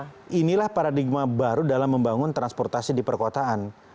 nah inilah paradigma baru dalam membangun transportasi di perkotaan